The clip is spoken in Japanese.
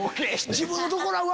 自分のところワ！